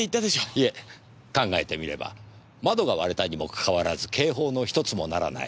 いえ考えてみれば窓が割れたにもかかわらず警報のひとつも鳴らない。